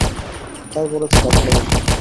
তাই বলছি, কাজে লেগে যা।